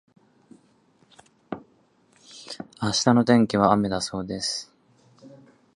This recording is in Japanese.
明日の天気は雨だそうです。